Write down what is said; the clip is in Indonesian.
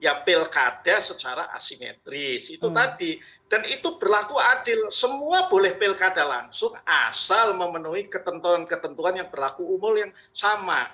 ya pilkada secara asimetris itu tadi dan itu berlaku adil semua boleh pilkada langsung asal memenuhi ketentuan ketentuan yang berlaku umur yang sama